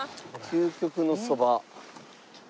究極のそば。